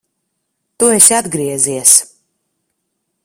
Tu esi atgriezies!